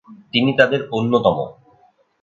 তিনি তাঁদের অন্যতম।